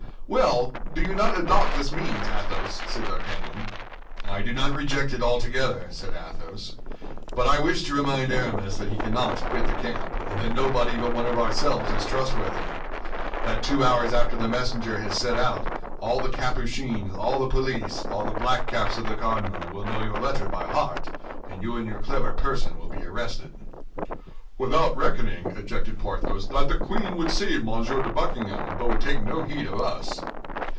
"Well, do you not adopt this means, Athos?" said D'Artagnan. "I do not reject it altogether," said Athos; "but I wish to remind Aramis that he cannot quit the camp, and that nobody but one of ourselves is trustworthy; that two hours after the messenger has set out, all the Capuchins, all the police, all the black caps of the cardinal, will know your letter by heart, and you and your clever person will be arrested." "Without reckoning," objected Porthos, "that the queen would save Monsieur de Buckingham, but would take no heed of us."